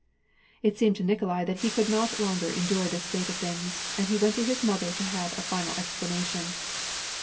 It seemed to Nikolai that he could not longer endure this state of things ; and he went to his mother to have a final explanation.